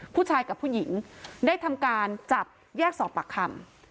ผู้ชายกับผู้หญิงได้ทำการจับแยกสอบปากคำ